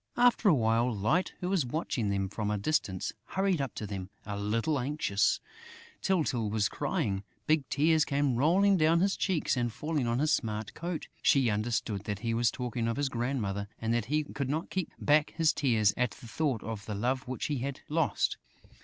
After a while, Light, who was watching them from a distance, hurried up to them a little anxiously: Tyltyl was crying! Big tears came rolling down his cheeks and falling on his smart coat. She understood that he was talking of his grandmother and that he could not keep back his tears at the thought of the love which he had lost.